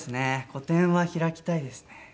個展は開きたいですね。